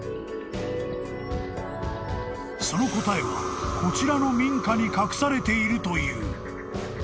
［その答えはこちらの民家に隠されているという］